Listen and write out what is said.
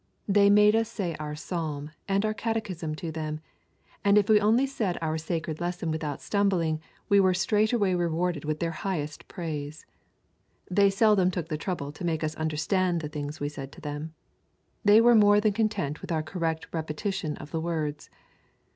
They made us say our psalm and our catechism to them, and if we only said our sacred lesson without stumbling, we were straightway rewarded with their highest praise. They seldom took the trouble to make us understand the things we said to them. They were more than content with our correct repetition of the words.